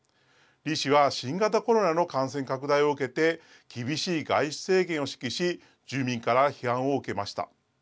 李氏は新型コロナの感染拡大を受けて厳しい外出制限を指揮し住民から批判を受けました。